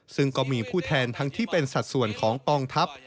ซึ่งก็มีผู้แทนทั้งที่เป็นสัดส่วนของกองทัพ